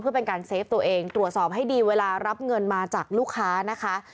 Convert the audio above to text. เพื่อเป็นการเซฟตัวเองตรวจสอบให้ดีเวลารับเงินมาจากลูกค้านะคะ